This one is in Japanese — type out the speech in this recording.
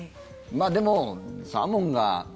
でもサーモンが。